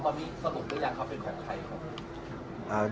ตอนนี้สรุปหรือยังเขาเป็นของใครครับ